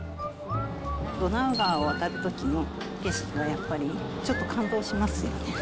ドナウ川を渡るときの景色はやっぱりちょっと感動しますよね。